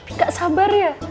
nggak sabar ya